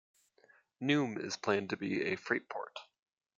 Neum is planned to be a freight port.